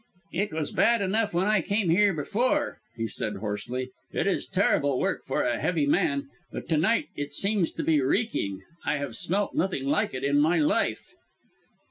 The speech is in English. "It was bad enough when I came here before," he said hoarsely. "It is terrible work for a heavy man. But to night it seems to be reeking. I have smelt nothing like it in my life."